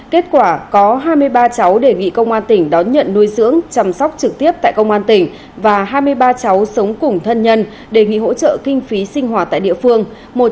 kết quả có hai mươi ba cháu đề nghị công an tỉnh đón nhận nuôi dưỡng chăm sóc trực tiếp tại công an tỉnh và hai mươi ba cháu sống cùng thân nhân đề nghị hỗ trợ kinh phí sinh hoạt tại địa phương